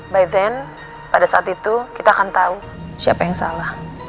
by then pada saat itu kita akan tahu siapa yang salah